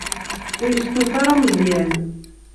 Ur yestufa ara Meẓyan.